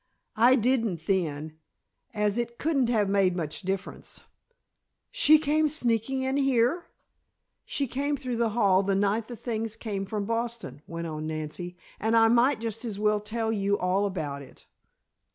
"I didn't then, as it couldn't make much difference " "She came sneaking in here " "She came through the hall the night the things came from Boston," went on Nancy. "And I might just as well tell you all about it."